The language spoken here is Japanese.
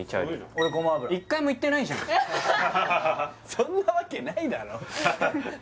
そんなわけないだろう